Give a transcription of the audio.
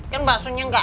kan basuhnya gak enak